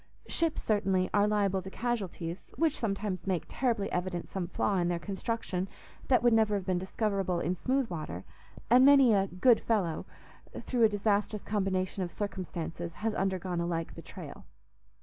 Ships, certainly, are liable to casualties, which sometimes make terribly evident some flaw in their construction that would never have been discoverable in smooth water; and many a "good fellow," through a disastrous combination of circumstances, has undergone a like betrayal.